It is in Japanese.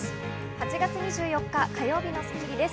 ８月２４日、火曜日の『スッキリ』です。